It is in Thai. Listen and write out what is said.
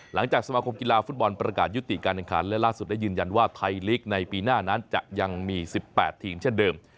สมาคมกีฬาฟุตบอลประกาศยุติการแข่งขันและล่าสุดได้ยืนยันว่าไทยลีกในปีหน้านั้นจะยังมี๑๘ทีมเช่นเดิม